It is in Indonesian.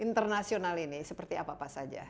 internasional ini seperti apa apa saja